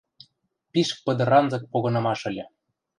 Пиш пыдыранзык погынымаш ыльы.